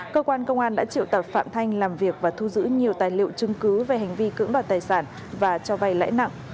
cơ quan công an đã triệu tập phạm thanh làm việc và thu giữ nhiều tài liệu chứng cứ về hành vi cưỡng đoạt tài sản và cho vay lãi nặng